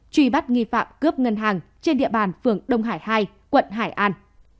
truy bắt nghi phạm cướp ngân hàng trên địa bàn phường đông hải hai quận hải an